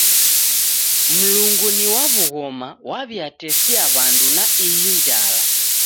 Mlungu ni wa w'ughoma waw'iatesia w'andu na ihi njala.